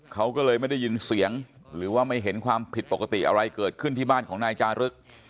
เขาก็เลยไม่ได้ยินเสียงหรือว่าไม่เห็นความผิดปกติอะไรเกิดขึ้นที่บ้านของนายจารึก